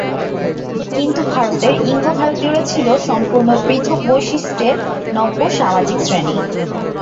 কিন্তু ভারতের ইঙ্গ-ভারতীয়রা ছিল সম্পূর্ণ পৃথক বৈশিষ্টের নব্য সামাজিক শ্রেণী।